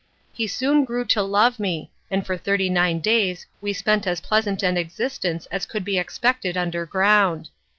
He soon grew to love me, and for thirty nine days we spent as pleasant an existence as could be expected underground.